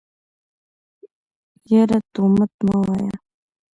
يره تومت مه وايه.